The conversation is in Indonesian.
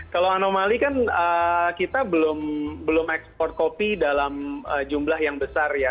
kalau anomali kan kita belum ekspor kopi dalam jumlah yang besar ya